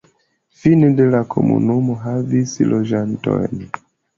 Fine de la komunumo havis loĝantojn.